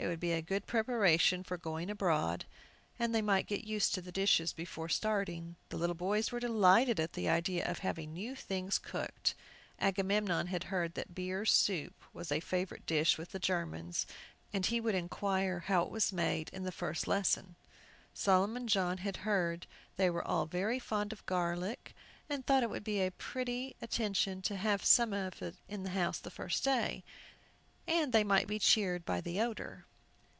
It would be a good preparation for going abroad, and they might get used to the dishes before starting. The little boys were delighted at the idea of having new things cooked. Agamemnon had heard that beer soup was a favorite dish with the Germans, and he would inquire how it was made in the first lesson. Solomon John had heard they were all very fond of garlic, and thought it would be a pretty attention to have some in the house the first day, that they might be cheered by the odor.